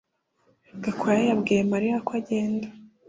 Gakwaya yabwiye Mariya ko agenda